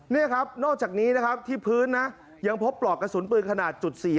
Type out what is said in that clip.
นอกจากนี้ที่พื้นยังพบปลอกกระสุนปืนขนาด๔๕